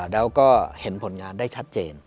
แล้วก็เห็นผลงานได้ชัดเจน